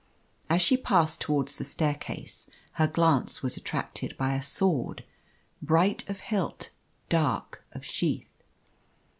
As she passed towards the staircase, her glance was attracted by a sword, bright of hilt, dark of sheath.